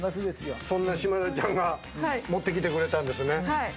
そんな島田ちゃんが持ってきてくれたんですね。